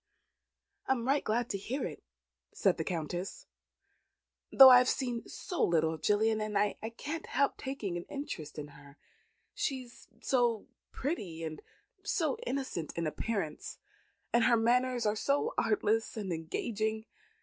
"I am right glad to hear it," said the Countess. "Though I have seen so little of Gillian, I cannot help taking an interest in her; she is so pretty, and so innocent in appearance, and her manners are so artless and engaging.